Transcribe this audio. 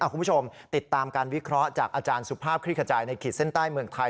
คุณผู้ชมติดตามการวิเคราะห์จากอาจารย์สุภาพคลิกขจายในขีดเส้นใต้เมืองไทย